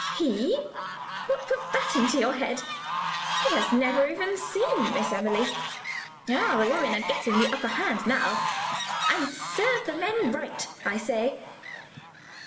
"He? What put that into your head? He has never even seen Miss Emily. She's going to our house ah, the women are getting the upper hand now, and serve the men right, I say!